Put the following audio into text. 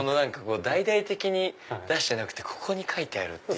大々的に出してなくてここに書いてあるっていう。